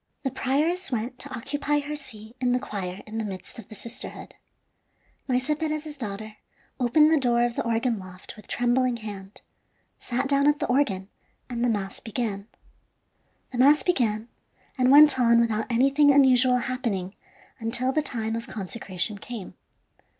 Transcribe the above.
The prioress went to occupy her seat in the choir in the midst of the sisterhood. Maese Perez's daughter opened the door of the organ loft with trembling hand, sat down at the organ, and the mass began. The mass began, and went on without anything unusual happening until the time of consecration came.